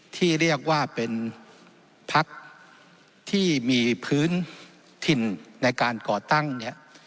ที่เรียกว่าเป็นพักที่มีพื้นถิ่นในการก่อตั้งเนี่ย